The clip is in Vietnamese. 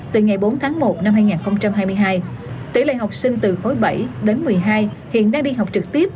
từ ngày bốn tháng một năm hai nghìn hai mươi hai tỷ lệ học sinh từ khối bảy đến một mươi hai hiện đang đi học trực tiếp